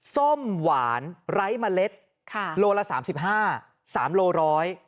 ส้มหวานไร้เมล็ดโลละ๓๕บาท๓โลล้อย